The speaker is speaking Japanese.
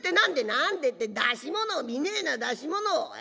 「何でって出し物を見ねえな出し物をええ。